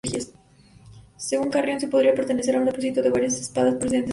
Según Carriazo podría pertenecer a un depósito de varias espadas procedente de Asturias.